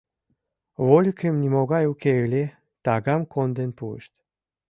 — Вольыкем нимогай уке ыле — тагам конден пуышт.